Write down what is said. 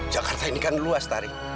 jakarta ini kan luas tari